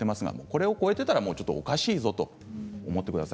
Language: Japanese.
これを超えていたらおかしいということです。